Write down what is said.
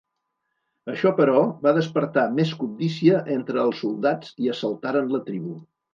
Això però, va despertar més cobdícia entre els soldats i assaltaren la tribu.